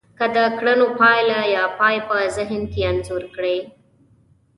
که د کړنو پايله يا پای په ذهن کې انځور کړی.